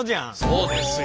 そうですよ。